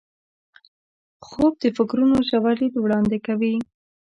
خوب د فکرونو ژور لید وړاندې کوي